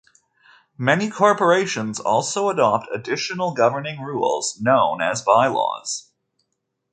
Many corporations also adopt additional governing rules known as bylaws.